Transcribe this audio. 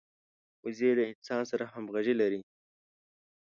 وزې له انسان سره همږغي لري